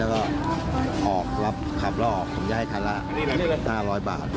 แล้วก็ออกรับขับลอกผมจะให้คันละ๕๐๐บาท